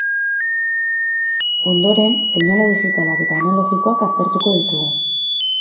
Ondoren, seinale digitalak eta analogikoak aztertuko ditugu.